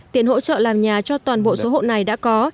tiền hỗ trợ làm nhà cho toàn bộ số hộ này đã có